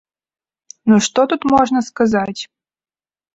Ну што тут можна сказаць?